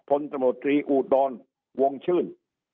พลตำรวจตรีอุดรวงชื่น